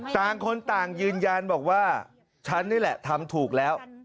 ต่างคนต่างยืนยันบอกว่าฉันนี่แหละทำถูกแล้ว